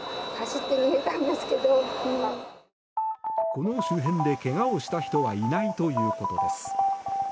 この周辺で、けがをした人はいないということです。